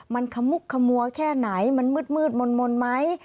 มันขมุกขมัวแค่ไหนมันมืดมนต์ไหม